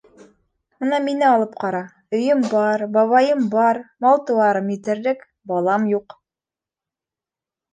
- Мына мине алып ҡара: өйөм бар, бабайым бар, мал-тыуарым етерлек, балам юҡ.